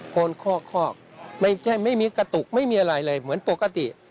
โพยคอกไม่มีกระตุกไม่มีอะไรเลยเหมือนปกติ